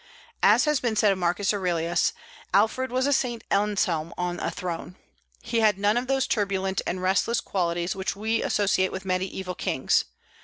As has been said of Marcus Aurelius, Alfred was a Saint Anselm on a throne. He had none of those turbulent and restless qualities which we associate with mediaeval kings.